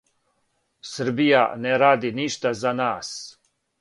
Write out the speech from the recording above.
Србија не ради ништа за нас.